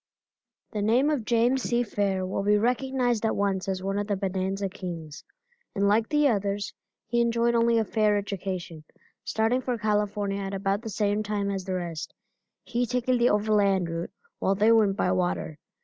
The name of James C. Fair will be recognized at once as one of the bonanza kings, and like the others he enjoyed only a fair education, starting for California at about the same time as the rest; he taking the overland route while they went by water.